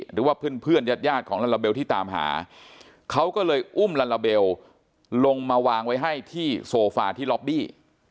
หรือว่าเพื่อนญาติยาดของลาลาเบลที่ตามหาเขาก็เลยอุ้มลาลาเบลลงมาวางไว้ให้ที่โซฟาที่ล็อบบี้